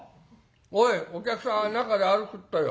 おいお客さん中で歩くってよ。